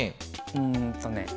うんとね